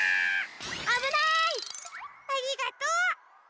ありがとう！